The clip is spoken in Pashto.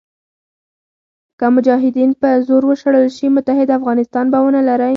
که مجاهدین په زور وشړل شي متحد افغانستان به ونه لرئ.